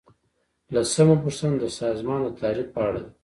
لسمه پوښتنه د سازمان د تعریف په اړه ده.